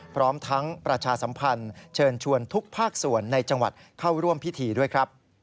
พร้อมทั้งประชาสัมพันธ์เชิญชวนทุกภาคส่วนในจังหวัดเข้าร่วมพิธีด้วยครับ